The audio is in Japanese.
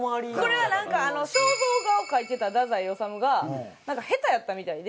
これはなんか肖像画を描いてた太宰治がなんか下手やったみたいで。